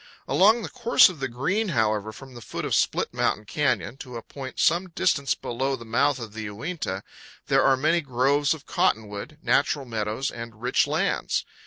Along the course of the Green, however, from the foot of Split Mountain Canyon to a point some distance below the mouth of the Uinta, there are many groves of cottonwood, natural meadows, and rich lands.